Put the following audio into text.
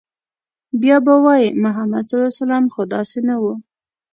بيا به وايي، محمد ص خو داسې نه و